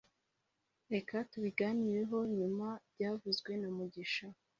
Reka tubiganireho nyuma byavuzwe na mugisha